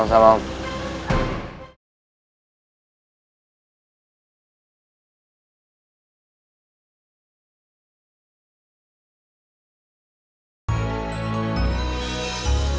kamu sudah membuat hari saya yang kurang baik